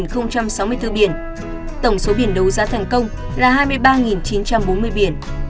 tổng số biển đấu giá thành công là hai mươi ba chín trăm bốn mươi biển